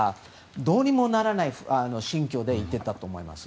どうにもならない心境で行っていたと思います。